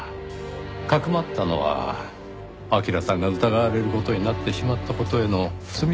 かくまったのは明良さんが疑われる事になってしまった事への罪滅ぼし。